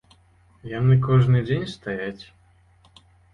Яны кожны дзень стаяць.